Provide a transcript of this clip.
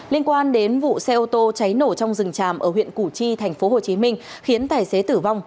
liên quan đến vụ xe ô tô cháy nổ trong rừng tràm ở huyện củ chi tp hcm khiến tài xế tử vong